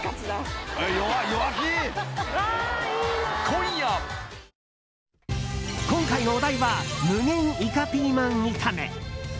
今回のお題は無限イカピーマン炒め。